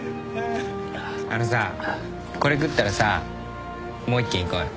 あのさこれ食ったらさもう１軒行こうよ。